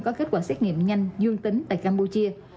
có kết quả xét nghiệm nhanh dương tính tại campuchia